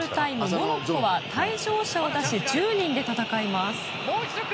モロッコは退場者を出し１０人で戦います。